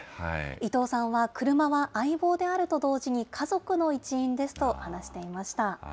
伊藤さんは車は相棒であると同時に家族の一員ですと話していました。